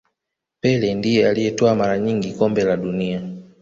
pele ndiye aliyetwaa mara nyingi kombe la dunia